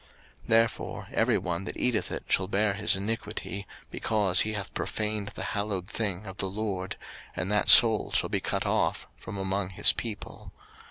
03:019:008 Therefore every one that eateth it shall bear his iniquity, because he hath profaned the hallowed thing of the LORD: and that soul shall be cut off from among his people.